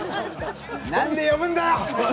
何で呼ぶんだよ。